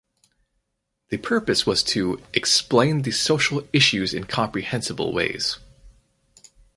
The purpose was to "explain the social issues in comprehensible ways".